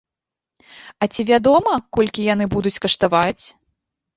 А ці вядома, колькі яны будуць каштаваць?